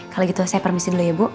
kalau gitu saya permisi dulu ya bu